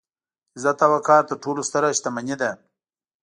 عزت او وقار تر ټولو ستره شتمني ده.